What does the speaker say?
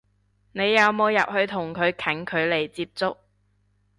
你有入去同佢近距離接觸？